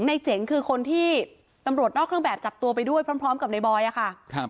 เจ๋งคือคนที่ตำรวจนอกเครื่องแบบจับตัวไปด้วยพร้อมกับในบอยอะค่ะครับ